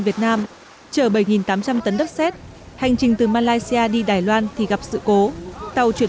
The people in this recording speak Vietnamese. việt nam chở bảy tám trăm linh tấn đất xét hành trình từ malaysia đi đài loan thì gặp sự cố tàu chuyển